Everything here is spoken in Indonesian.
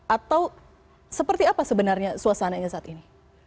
atau seperti apa sebenarnya suasananya saat ini